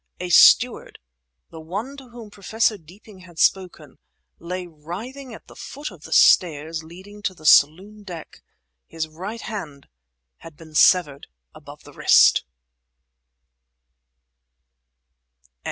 A steward—the one to whom Professor Deeping had spoken—lay writhing at the foot of the stairs leading to the saloon deck. His right hand had been severed above the wrist!